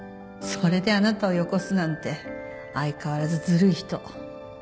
それであなたをよこすなんて相変わらずずるい人。